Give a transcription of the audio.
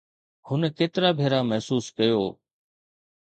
هن ڪيترا ڀيرا محسوس ڪيو؟